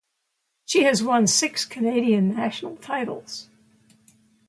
She has won six Canadian National titles.